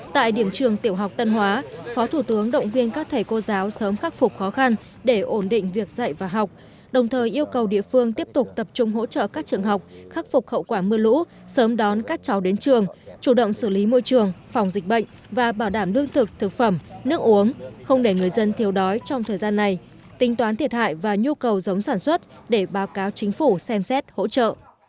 tại điểm trường tiểu học tân hóa phó thủ tướng động viên các thầy cô giáo sớm khắc phục khó khăn để ổn định việc dạy và học đồng thời yêu cầu địa phương tiếp tục tập trung hỗ trợ các trường học khắc phục khẩu quả mưa lũ sớm đón các cháu đến trường chủ động xử lý môi trường phòng dịch bệnh và bảo đảm đương thực thực phẩm nước uống không để người dân thiếu đói trong thời gian này tính toán thiệt hại và nhu cầu giống sản xuất để báo cáo chính phủ xem xét hỗ trợ